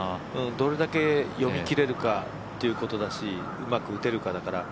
どれだけ読み切れるかっていうことだしうまく打てるかだし。